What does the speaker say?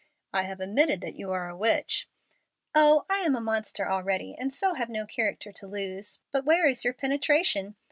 "I have admitted that you are a witch." "Oh, I am a monster already, and so have no character to lose. But where is your penetration?